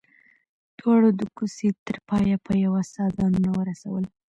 دواړو د کوڅې تر پايه په يوه ساه ځانونه ورسول.